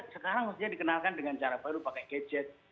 sekarang mestinya dikenalkan dengan cara baru pakai gadget